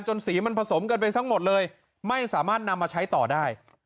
สีมันผสมกันไปทั้งหมดเลยไม่สามารถนำมาใช้ต่อได้